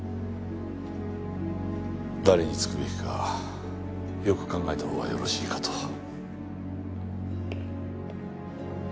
誰につくべきかよく考えたほうがよろしいかと。